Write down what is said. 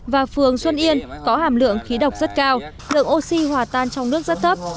và phường xuân yên có hàm lượng khí độc rất cao lượng oxy hòa tan trong nước rất thấp